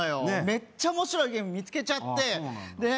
メッチャ面白いゲーム見つけちゃってでね